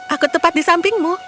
aku tepat di sampingmu